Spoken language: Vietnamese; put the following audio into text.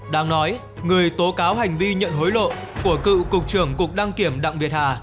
đang nói người tố cáo hành vi nhận hối lộ của cựu cục trưởng cục đăng kiểm đặng việt hà